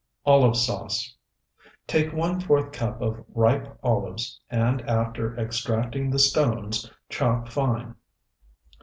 OLIVE SAUCE Take one fourth cup of ripe olives, and after extracting the stones, chop fine.